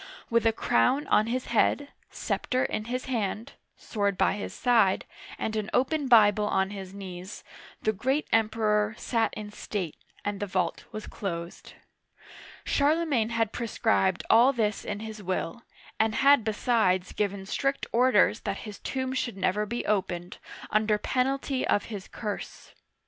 With a crown on his head, scepter in his hand, sword by his side, and an open Bible on his knees, the great Emperor sat in state, and the vault was closed. Charlemagne had prescribed all this in his will, and had besides given strict orders that his tomb uigiTizea Dy vjiOOQlC CHARLEMAGNE (768 814) 81 should never be opened, under penalty of his curse.